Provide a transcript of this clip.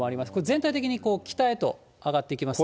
全体的に北へと上がっていきますので。